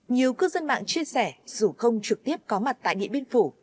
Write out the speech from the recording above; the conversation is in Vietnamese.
nhiều cư dân mạng chia sẻ dù không trực tiếp có mặt tại điện biên phủ